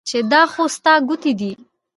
چې دا خو ستا ګوتې دي